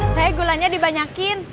saya gulanya dibanyakin